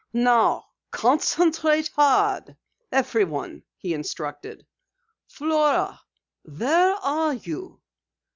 "Now concentrate hard everyone," he instructed. "Flora, where are you?